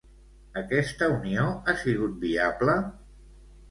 Aquesta unió ha sigut viable?